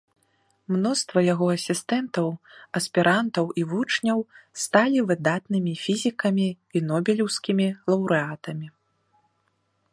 Мноства яго асістэнтаў, аспірантаў і вучняў сталі выдатнымі фізікамі і нобелеўскімі лаўрэатамі.